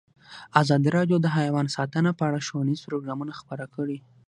ازادي راډیو د حیوان ساتنه په اړه ښوونیز پروګرامونه خپاره کړي.